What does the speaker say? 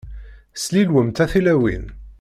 Slilwemt a tilawin.